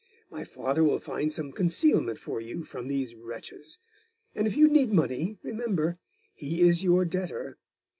My father will find some concealment for you from these wretches; and if you need money, remember, he is your debtor.